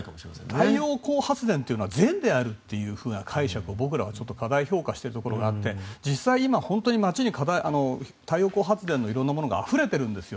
太陽光発電があるというのは善であるというのを僕らは過大評価してるところがあって実際今、本当に街に太陽光発電の色んなものがあふれているんですよ